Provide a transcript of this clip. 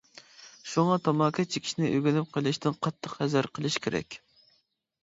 شۇڭا تاماكا چېكىشنى ئۆگىنىپ قېلىشتىن قاتتىق ھەزەر قىلىش كېرەك.